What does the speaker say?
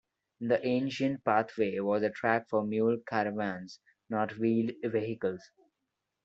The ancient pathway was a track for mule caravans, not wheeled vehicles.